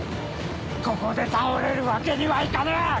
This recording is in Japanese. ここで倒れるわけにはいかぬ！